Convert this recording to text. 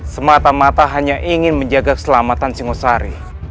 semata mata hanya ingin menjaga keselamatan singosari